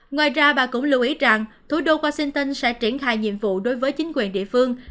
ngoài ra bà cũng lưu ý rằng thủ đô washington sẽ triển khai nhiệm vụ đối với chính quyền địa phương